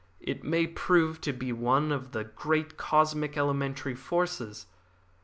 It may prove to be one of the great cosmic elementary forces.